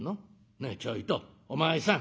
ねえちょいとお前さん。